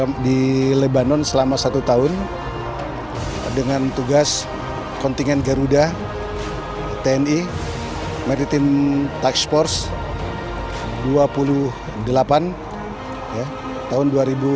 saya berada di lebanon selama satu tahun dengan tugas kontingen garuda tni maritim tech force dua puluh delapan tahun dua ribu tujuh belas